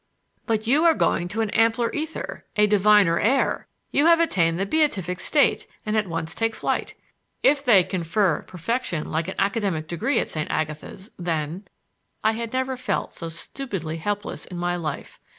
"But you are going to an ampler ether, a diviner air. You have attained the beatific state and at once take flight. If they confer perfection like an academic degree at St. Agatha's, then—" I had never felt so stupidly helpless in my life.